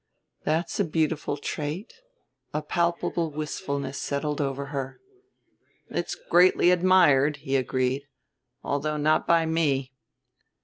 "That's a beautiful trait." A palpable wistfulness settled over her. "It's greatly admired," he agreed; "although not by me.